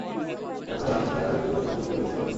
Doctor, আপনি ছাড়া আর কেউ এতো ভালো করে বুঝাতে পারত না।